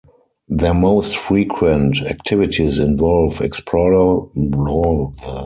Their most frequent activities involve exploring underground stormwater drains, bunkers, tunnels and forts.